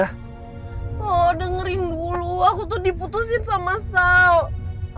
oh dengerin dulu aku tuh diputusin sama sale